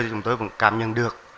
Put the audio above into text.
chúng tôi cảm nhận được